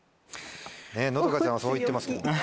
のどかちゃんはそう言ってますけども。